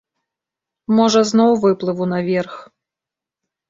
Можа зноў выплыву наверх?